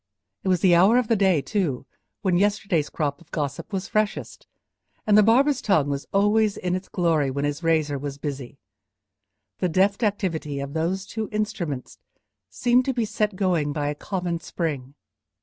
It was the hour of the day, too, when yesterday's crop of gossip was freshest, and the barber's tongue was always in its glory when his razor was busy; the deft activity of those two instruments seemed to be set going by a common spring.